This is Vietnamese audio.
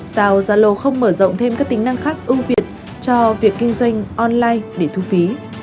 sao zalo không mở rộng thêm các tính năng khác ưu việt cho việc kinh doanh online để thu phí